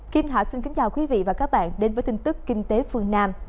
kim hạ xin kính chào quý vị và các bạn đến với tin tức kinh tế phương nam